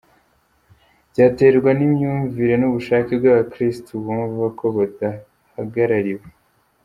Byaterwa n’imyumvire n’ubushake bw’abakirisitu bumva ko badahagarariwe.